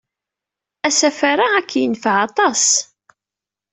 Asafar-a ad ken-yenfeɛ aṭas.